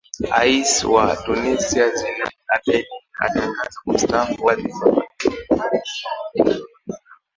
ais wa tunisia zinal abedin atangaza kustaafu wadhifa wake